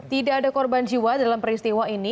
tidak ada korban jiwa dalam peristiwa ini